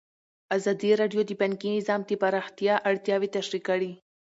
ازادي راډیو د بانکي نظام د پراختیا اړتیاوې تشریح کړي.